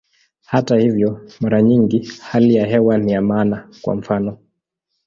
Hata hivyo, mara nyingi hali ya hewa ni ya maana, kwa mfano.